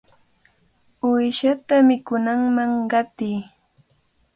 ¡Uyshata chikunman qatiy!